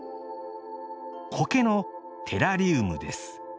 苔のテラリウムです。